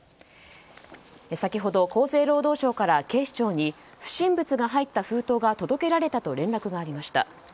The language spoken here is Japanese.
先ほど、厚生労働省から警視庁に不審物が入った封筒が届けられたと連絡がありました。